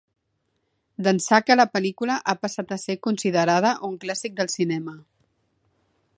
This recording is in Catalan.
D'ençà que la pel·lícula ha passat a ser considerada un clàssic del cinema.